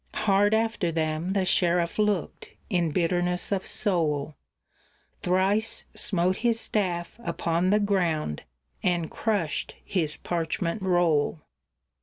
Hard after them the sheriff looked, in bitterness of soul; Thrice smote his staff upon the ground, and crushed his parchment roll.